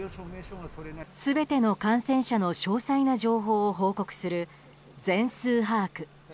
全ての感染者の詳細な情報を報告する全数把握。